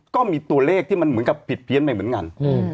ก็มีตัวเลขที่มันเหมือนกับผิดเพี้ยนไปเหมือนกัน